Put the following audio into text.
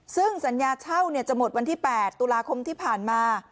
ซึ่งสัญญาเช่าจะหมดวันที่๘ตุลาคมที่ผ่านมา